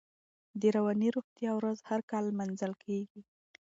د رواني روغتیا ورځ هر کال نمانځل کېږي.